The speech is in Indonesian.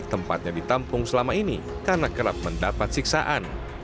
tempatnya ditampung selama ini karena kerap mendapat siksaan